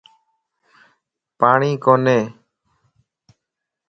پاڻين ڪوني.